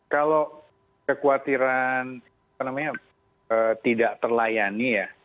kalau kekhawatiran apa namanya tidak terlayani ya